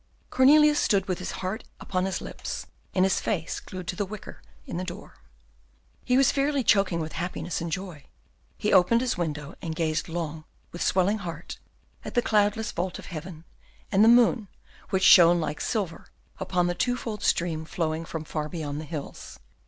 Cornelius stood with his heart upon his lips, and his face glued to the wicket in the door. He was fairly choking with happiness and joy. He opened his window, and gazed long, with swelling heart, at the cloudless vault of heaven, and the moon, which shone like silver upon the two fold stream flowing from far beyond the hills.